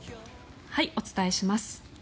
お伝えします。